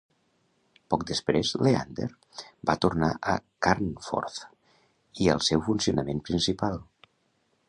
Poc després, "Leander" va tornar a Carnforth i al seu funcionament principal.